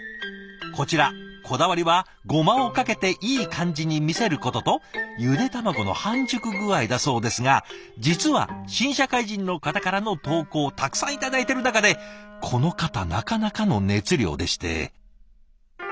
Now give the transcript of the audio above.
こちらこだわりはゴマをかけていい感じに見せることとゆで卵の半熟具合だそうですが実は新社会人の方からの投稿たくさん頂いてる中でこの方なかなかの熱量でして。